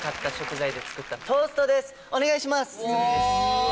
お願いします！